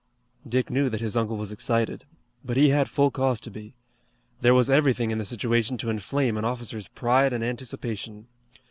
Dick knew that his uncle was excited. But he had full cause to be. There was everything in the situation to inflame an officer's pride and anticipation.